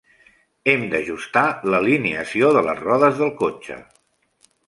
Hem d'ajustar l'alineació de les rodes del cotxe.